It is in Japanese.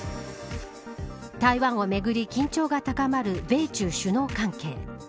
台湾をめぐり緊張が高まる米中首脳関係。